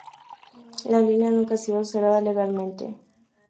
La línea nunca ha sido cerrada legalmente.